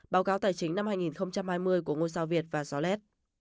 báo cáo tài chính năm hai nghìn hai mươi của ngôi sao việt và gioled